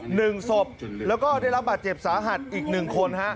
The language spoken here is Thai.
หนึ่งศพแล้วก็ได้รับบาดเจ็บสาหัสอีกหนึ่งคนฮะ